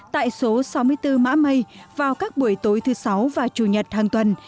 tại số sáu mươi bốn mã mây vào các buổi tối thứ sáu và chủ nhật hàng tuần